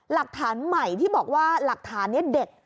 หลักฐานใหม่ที่บอกว่าหลักฐานนี้เด็ด